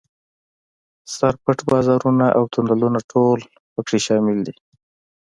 سر پټ بازارونه او تونلونه ټول په کې شامل دي.